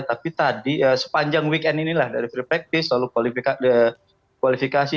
tapi tadi sepanjang weekend inilah dari free practice lalu kualifikasi